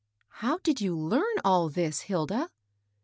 "How did you learn all this, Hilda?"